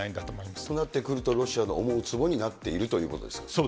となってくるとロシアの思うつぼになっているということですか。